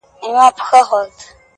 و خوږ زړگي ته مي ـ